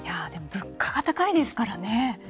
物価が高いですからね。